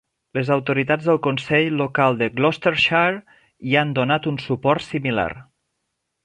Les autoritats del consell local de Gloucestershire hi han donat un suport similar.